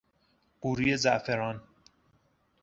قوری زعفران